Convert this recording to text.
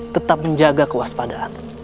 tetap menjaga kewaspadaan